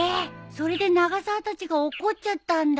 それで永沢たちが怒っちゃったんだ。